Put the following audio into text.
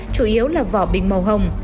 chủ yếu là vỏ bình màu hồng